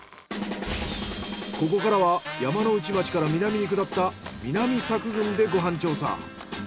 ここからは山ノ内町から南に下った南佐久郡でご飯調査。